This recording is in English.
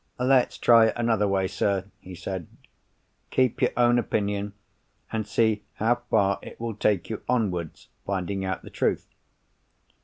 "Let's try it another way, sir," he said. "Keep your own opinion, and see how far it will take you towards finding out the truth.